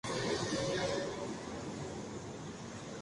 La tienda explota y Hiro se va afuera sin Kensei.